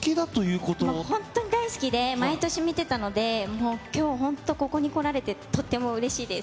本当に大好きで、毎年見てたので、きょう本当、ここに来られてとてもうれしいです。